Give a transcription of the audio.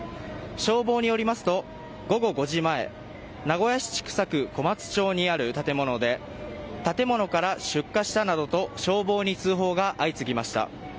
消防によりますと午後５時前名古屋市千種区小松町にある建物で建物から出火したなどと消防に通報が相次ぎました。